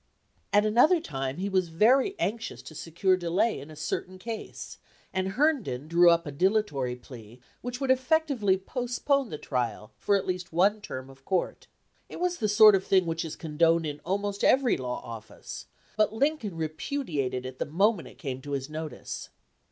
At another time he was very anxious to secure delay in a certain case, and Herndon drew up a dilatory plea which would effectually postpone the trial for at least one term of court. It was the sort of thing which is condoned in almost every law office, but Lincoln repudiated it the moment it came to his notice.